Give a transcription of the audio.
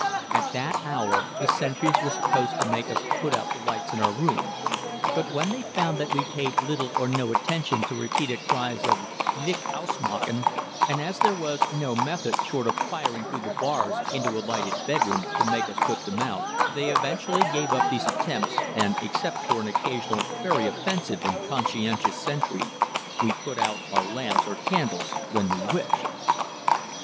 At that hour the sentries were supposed to make us put out the lights in our rooms, but when they found that we paid little or no attention to repeated cries of "Licht ausmachen," and as there was no method, short of firing through the bars into a lighted bedroom, to make us put them out, they eventually gave up these attempts, and, except for an occasional very offensive or conscientious sentry, we put out our lamps or candles when we wished.